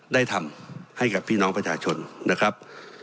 ได้ทำให้กับพี่น้องประชาชนนะครับ